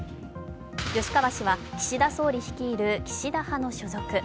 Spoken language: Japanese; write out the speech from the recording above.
吉川氏は岸田総理率いる岸田派の所属。